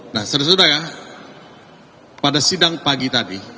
nah saudara saudara ya pada sidang pagi tadi